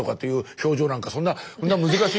表情なんかそんなそんな難しい。